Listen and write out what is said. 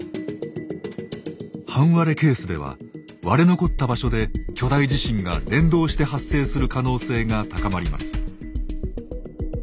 半割れケースでは割れ残った場所で巨大地震が連動して発生する可能性が高まります。